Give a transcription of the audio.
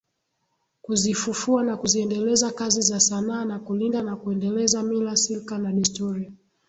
Kuzifufua na kuziendeleza kazi za sanaa na kulinda na kuendeleza mila silka na desturi